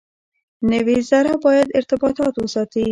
نوي زره باید ارتباطات وساتي.